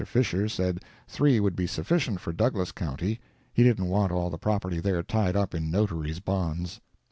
Fisher said three would be sufficient for Douglas county—he didn't want all the property there tied up in Notary's bonds.